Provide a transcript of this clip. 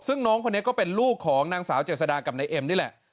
ซึ่งน้องคนนี้ก็เป็นลูกของนางสาวเจษดากับนายเอ็มนี่แหละ